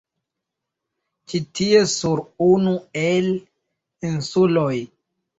Ĉi tie sur unu el insuloj